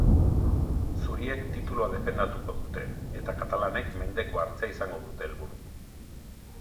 Zuriek titulua defendatuko dute, eta katalanek mendekua hartzea izango dute helburu.